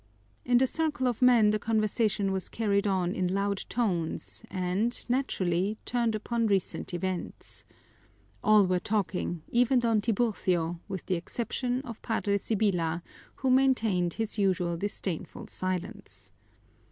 In the circle of men the conversation was carried on in loud tones and, naturally, turned upon recent events. All were talking, even Don Tiburcio, with the exception of Padre Sibyla, who maintained his usual disdainful silence.